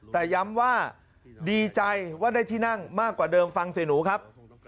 แต่ย้ำว่าดีใจว่าได้ที่นั่งมากกว่าเดิมฟังเสียหนูครับ